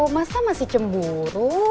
masa masih cemburu